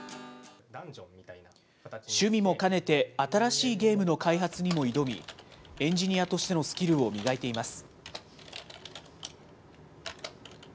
趣味も兼ねて、新しいゲームの開発にも挑み、エンジニアとしてのスキルを磨いています。